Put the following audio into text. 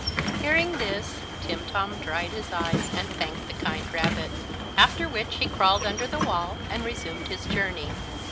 Hearing this, Timtom dried his eyes and thanked the kind rabbit, after which he crawled under the wall and resumed his journey.